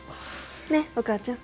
ねっお母ちゃん。